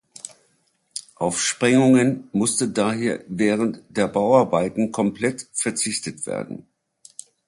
Auf Sprengungen musste daher während der Bauarbeiten komplett verzichtet werden.